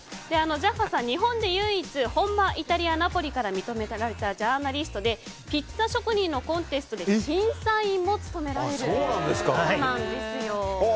ジャッファさん、日本で唯一本場イタリア・ナポリから認められたジャーナリストでピッツァ職人のコンテストで審査員も務められる方なんです。